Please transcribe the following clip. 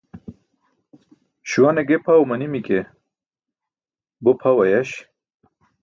Śuwa ne ge pʰaw manimi ke, bo pʰaw ayaś.